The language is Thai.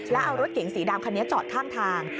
แล้วเอารถเก๋งสีดำคันนี้จอดข้างทาง